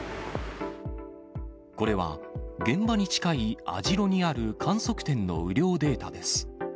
これは、現場に近い網代にある観測点の雨量データです。